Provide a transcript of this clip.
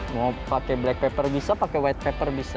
mau pakai black paper bisa pakai white paper bisa